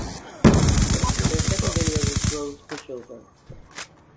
Their Second Video was "Bros Push Over".